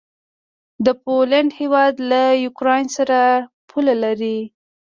د پولينډ هيواد له یوکراین سره پوله لري.